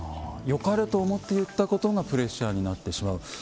よかれと思って言ったことがプレッシャーになってしまう。